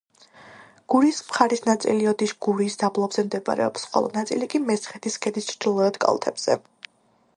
გურიის მხარის ნაწილი ოდიშ-გურიის დაბლობზე მდებარეობს, ხოლო ნაწილი კი მესხეთის ქედის ჩრდილოეთ კალთებზე.